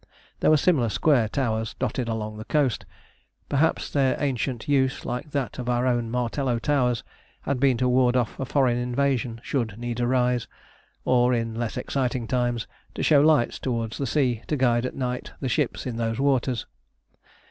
There were similar square towers dotted along the coast; perhaps their ancient use, like that of our own Martello towers, had been to ward off a foreign invasion should need arise; or, in less exciting times, to show lights towards the sea to guide at night the ships in those waters.